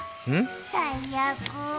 最悪。